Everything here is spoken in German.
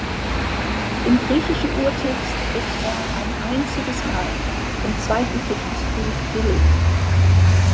Im griechischen Urtext ist er ein einziges Mal, im zweiten Petrusbrief belegt.